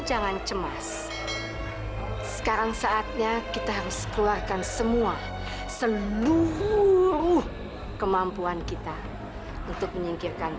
jangan cemas sekarang saatnya kita harus keluarkan semua seluruh kemampuan kita untuk menyingkirkan